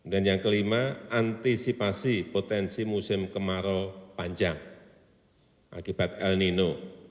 dan yang kelima antisipasi potensi musim kemarau panjang akibat el nino